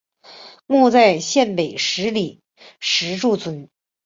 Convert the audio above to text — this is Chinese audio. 墓在县北十里石柱村。